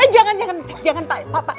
eh jangan jangan jangan pak